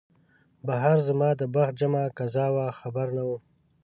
بهر زما د بخت جمعه قضا وه خبر نه وم